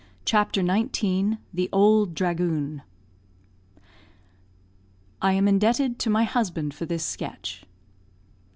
CHAPTER XIX THE "OULD DHRAGOON" [I am indebted to my husband for this sketch.